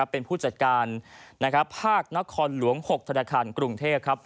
เป็นผู้จัดการภาคนครหลวง๖ธนาคารกรุงเทพครับ